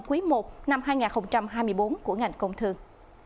quý i năm hai nghìn hai mươi bốn của ngành công thương